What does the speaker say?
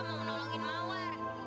mau menolongin mawar